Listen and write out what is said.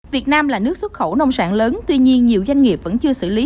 việt nam là nước xuất khẩu nông sản lớn tuy nhiên nhiều doanh nghiệp vẫn chưa xử lý